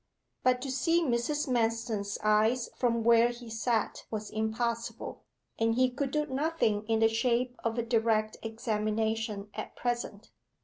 But to see Mrs. Manston's eyes from where he sat was impossible, and he could do nothing in the shape of a direct examination at present.